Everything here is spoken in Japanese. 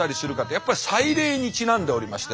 やっぱり祭礼にちなんでおりまして。